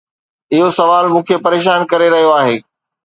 اهو سوال مون کي پريشان ڪري رهيو آهي.